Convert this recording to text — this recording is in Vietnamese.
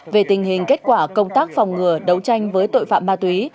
về tình hình kết quả công tác phòng ngừa đấu tranh với tội phạm ma túy